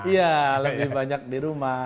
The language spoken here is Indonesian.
iya lebih banyak di rumah